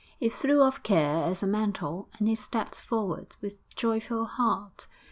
He threw off care as a mantle, and he stepped forward with joyful heart.